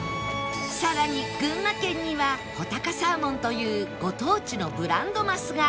さらに群馬県には武尊サーモンというご当地のブランドマスが